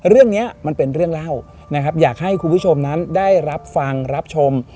เรื่องนี้มันเป็นเรื่องเล่านะครับอยากให้คุณผู้ชมนั้นได้รับฟังรับชม